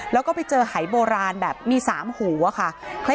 แล้วก็ไปเจอหายโบราณแบบมี๓หูอะค่ะ